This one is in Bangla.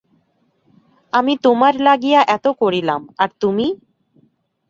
আমি তোমার লাগিয়া এত করিলাম, আর তুমি–।